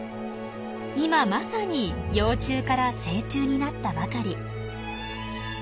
今まさに幼虫から成虫になったばかり。